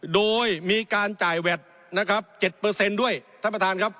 โดยมีการจ่ายแวดนะครับเจ็ดเปอร์เซ็นต์ด้วยท่านประธานครับ